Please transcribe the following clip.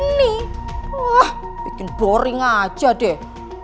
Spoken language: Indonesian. ini wah bikin boring aja deh